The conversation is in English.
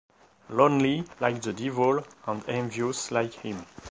Lonely, like the devil, and envious like him?